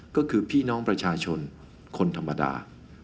ก็คือพี่น้องประชาชนคนธรรมดา